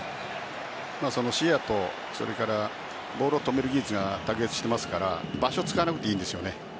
視野とボールを止める技術が卓越してますから場所を使わなくていいんですよね。